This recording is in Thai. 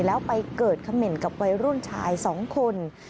แล้วไปเกิดเขม่นกับวัยรุ่นชาย๒คน